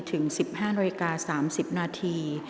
ถึง๑๕นาฬิกา๓๐นาที